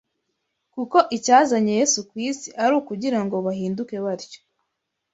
kuko icyazanye Yesu ku isi ari ukugira ngo bahinduke batyo